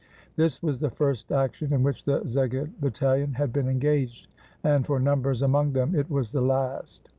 This was the first action in which the Szeged battalion had been engaged, and for numbers among them it was the last.